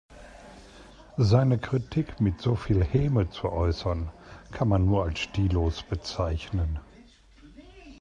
Seine Kritik mit so viel Häme zu äußern, kann man nur als stillos bezeichnen.